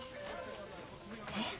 えっ？